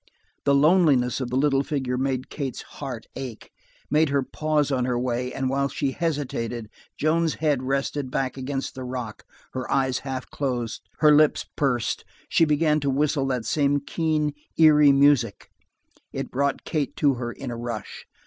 The loneliness of the little figure made Kate's heart ache, made her pause on her way, and while she hesitated, Joan's head rested back against the rock, her eyes half closed, her lips pursed, she began to whistle that same keen, eerie music. It brought Kate to her in a rush.